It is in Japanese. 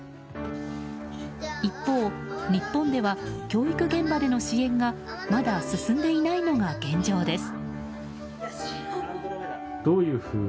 一方、日本では教育現場での支援がまだ進んでいないのが現状です。